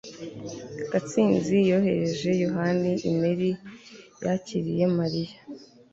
gatsinzi yohereje yohana imeri yakiriye mariya